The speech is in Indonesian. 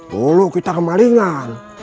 dulu kita kemalingan